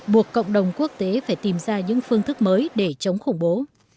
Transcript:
buộc cộng đồng quốc tế phải tìm ra những phương thức mới để chống khủng bố